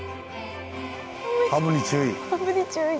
「ハブに注意」